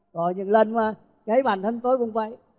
có những lần mà thấy bản thân tôi cũng vậy